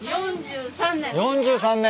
４３年。